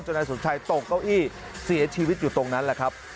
นายสมชัยตกเก้าอี้เสียชีวิตอยู่ตรงนั้นแหละครับ